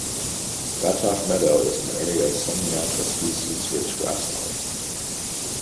Bratoft Meadow is an area of semi-natural species rich grassland.